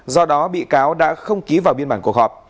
do đó bị cáo đã không ký vào biên bản cuộc họp